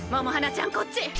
百はなちゃんこっち！